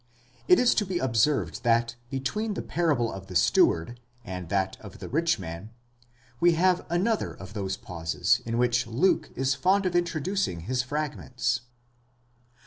8 It is to be observed that between the parable of the steward and that of the rich man, we have another of those pauses in which Luke is fond of introducing his fragments.